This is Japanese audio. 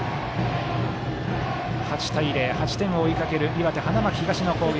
８点を追いかける岩手、花巻東の攻撃。